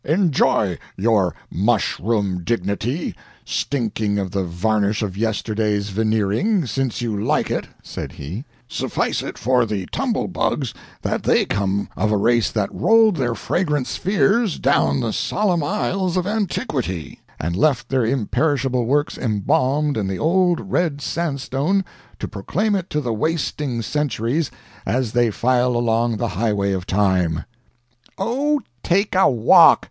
"Enjoy your mushroom dignity, stinking of the varnish of yesterday's veneering, since you like it," said he; "suffice it for the Tumble Bugs that they come of a race that rolled their fragrant spheres down the solemn aisles of antiquity, and left their imperishable works embalmed in the Old Red Sandstone to proclaim it to the wasting centuries as they file along the highway of Time!" "Oh, take a walk!"